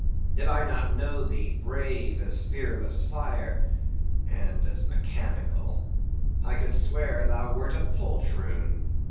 did I not know thee brave as fearless fire (and as mechanical) I could swear thou wert a poltroon.